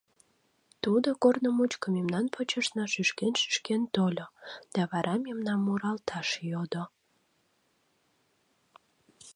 Тудо корно мучко мемнан почешна шӱшкен-шӱшкен тольо, да вара мемнам муралташ йодо.